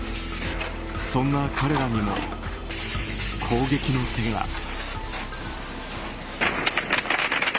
そんな彼らにも攻撃の手が。